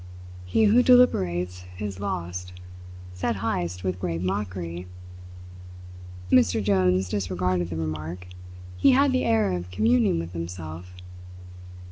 "He who deliberates is lost," said Heyst with grave mockery. Mr Jones disregarded the remark. He had the air of communing with himself.